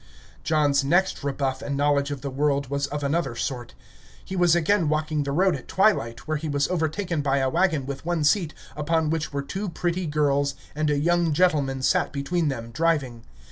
John's next rebuff and knowledge of the world was of another sort. He was again walking the road at twilight, when he was overtaken by a wagon with one seat, upon which were two pretty girls, and a young gentleman sat between them, driving.